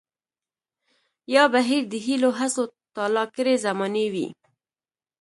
يا بهير د هيلو هڅو تالا کړے زمانې وي